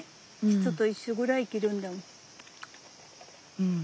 人と一緒ぐらい生きるんだもん。